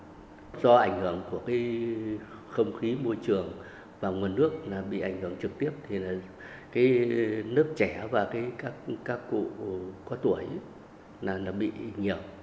nếu có ảnh hưởng của không khí môi trường và nguồn nước bị ảnh hưởng trực tiếp thì nước trẻ và các cụ có tuổi bị nhiễm